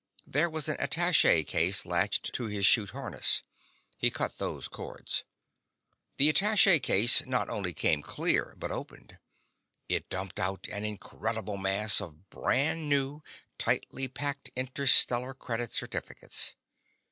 There was an attache case lashed to his chute harness. He cut at those cords. The attache case not only came clear, but opened. It dumped out an incredible mass of brand new, tightly packed interstellar credit certificates.